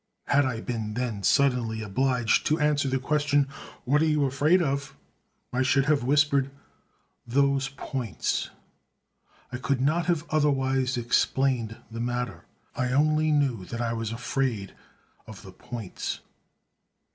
Had I been then suddenly obliged to answer the question, "What are you afraid of?" I should have whispered, "Those points!" I could not have otherwise explained the matter: I only knew that I was afraid of the "points."